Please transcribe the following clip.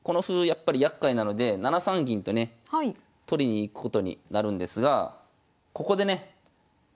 やっぱりやっかいなので７三銀とね取りに行くことになるんですがここでね８八飛車と。